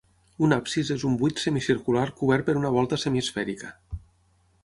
Un absis és un buit semicircular cobert per una volta semiesfèrica.